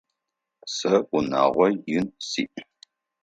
Сэ унагъо ин сиӏ.